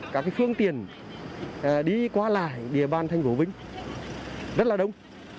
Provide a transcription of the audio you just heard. các phương tiện đi qua lại địa bàn thành phố vinh rất là đông